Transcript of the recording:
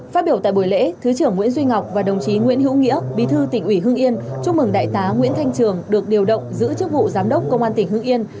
phát biểu tại buổi lễ thứ trưởng nguyễn duy ngọc và đồng chí nguyễn hữu nghĩa bí thư tỉnh ủy hương yên chúc mừng đại tá nguyễn thanh trường được điều động giữ chức vụ giám đốc công an tỉnh hương yên